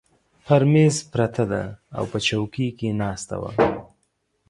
پر مېز پرته ده، او په چوکۍ کې ناسته وه.